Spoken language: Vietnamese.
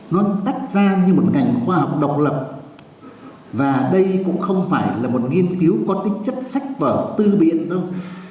nó tách ra như một ngành khoa học độc lập và đây cũng không phải là một nghiên cứu có tính chất sách vở tư biện đâu